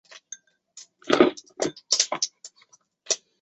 广州台声称羊城论坛是中国大陆最早举办的政论性电视论坛。